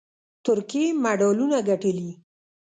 ترکیې مډالونه ګټلي